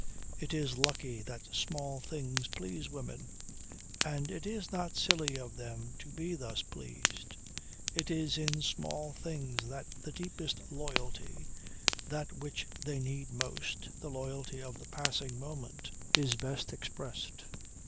It is lucky that small things please women. And it is not silly of them to be thus pleased. It is in small things that the deepest loyalty, that which they need most, the loyalty of the passing moment, is best expressed.